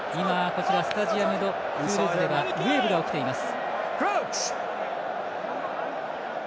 スタジアム・ド・トゥールーズはウエーブが起きています。